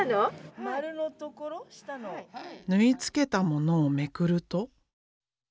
縫い付けたものをめくると。